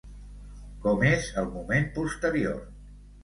Com és el moment posterior?